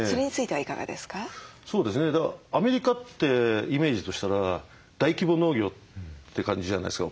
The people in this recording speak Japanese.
だからアメリカってイメージとしたら大規模農業って感じじゃないですか。